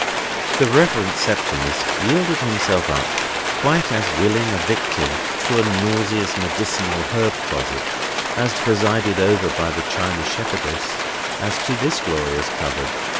The Reverend Septimus yielded himself up quite as willing a victim to a nauseous medicinal herb closet, also presided over by the china shepherdess, as to this glorious cupboard.